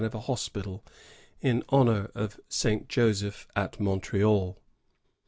101 hospital in honor of Saint Joseph at Montreal.